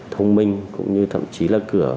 thông minh cũng như thậm chí là cửa